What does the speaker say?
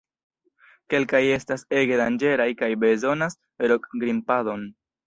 Kelkaj estas ege danĝeraj kaj bezonas rok-grimpadon.